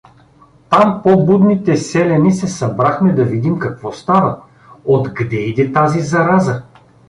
Там по-будните селяни се събрахме да видим какво става, отгде иде тази зараза.